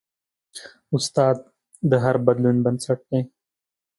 استاد د هر بدلون بنسټ دی.